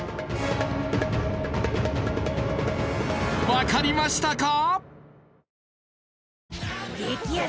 わかりましたか？